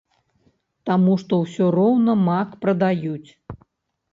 Таму што ўсё роўна мак прадаюць.